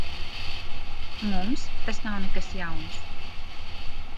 Mums tas nav nekas jauns.